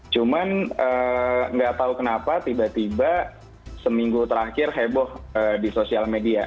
cuman nggak tahu kenapa tiba tiba seminggu terakhir heboh di sosial media